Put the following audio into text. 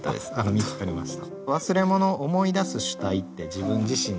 見つかりました。